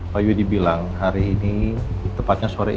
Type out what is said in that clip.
pak yudi bilang hari ini tepatnya sore ini